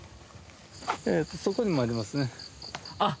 そこにもありますねあっ